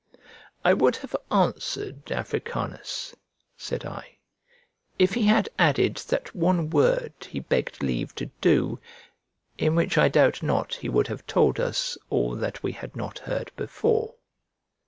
"I would have answered Africanus," said I, "if he had added that one word he begged leave to do, in which I doubt not he would have told us all that we had not heard before."